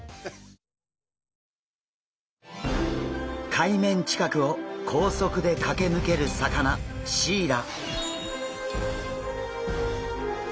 海面近くを高速で駆け抜ける魚シイラ。